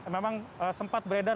memang sempat beredar